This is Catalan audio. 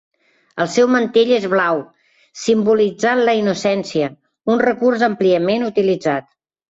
El seu mantell és blau, simbolitzant la innocència, un recurs àmpliament utilitzat.